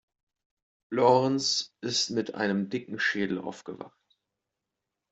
Lorenz ist mit einem dicken Schädel aufgewacht.